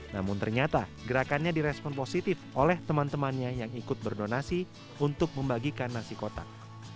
namun ternyata gerakannya direspon positif oleh teman temannya yang ikut berdonasi untuk membagikan nasi kotak